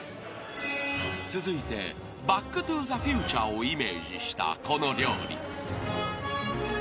［続いて『バック・トゥ・ザ・フューチャー』をイメージしたこの料理］